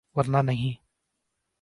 ‘ ورنہ نہیں۔